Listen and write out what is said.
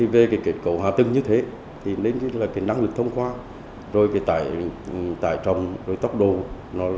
về kết cấu hòa tưng như thế năng lực thông qua tải trọng tốc độ